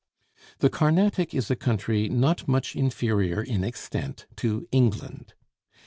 The Carnatic is a country not much inferior in extent to England.